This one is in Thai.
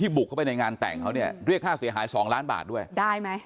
บุกเข้าไปในงานแต่งเขาเนี่ยเรียกค่าเสียหายสองล้านบาทด้วยได้ไหม